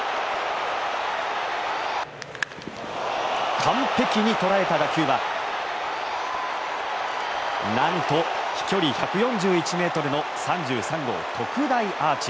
完璧に捉えた打球はなんと飛距離１４１ｍの３３号特大アーチ。